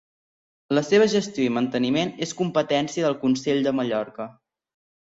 La seva gestió i manteniment és competència del Consell de Mallorca.